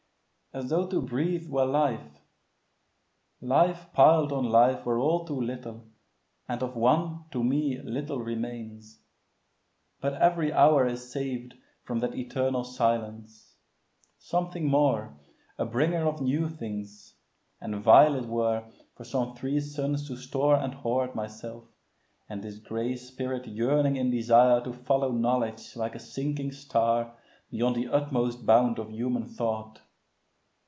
As tho' to breathe were life! Life piled on life Were all too little, and of one to me Little remains; but every hour is saved From that eternal silence, something more, A bringer of new things; and vile it were For some three suns to store and hoard myself, And this gray spirit yearning in desire To follow knowledge like a sinking star, Beyond the utmost bound of human thought.